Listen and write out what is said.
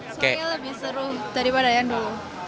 saya lebih seru daripada yang dulu